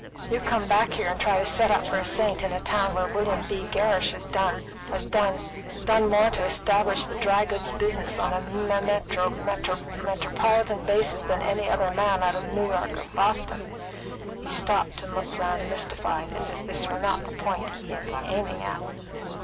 "You come back here, and try to set up for a saint in a town where William B. Gerrish has done has done more to establish the dry goods business on a metro me tro politan basis than any other man out of New York or Boston." He stopped and looked round, mystified, as if this were not the point which he had been aiming at.